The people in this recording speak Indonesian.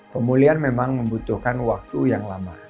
pemulihan memang membutuhkan waktu yang lama